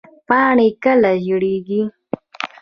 پاڼې کله ژیړیږي؟